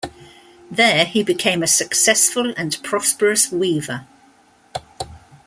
There he became a successful and prosperous weaver.